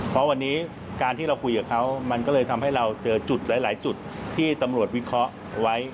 เพราะวันนี้การที่เราคุยกับเขามันก็เลยทำให้เราเจอจุดหลายจุดที่ตำรวจวิเคราะห์ไว้